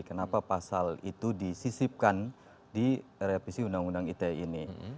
kenapa pasal itu disisipkan di revisi undang undang ite ini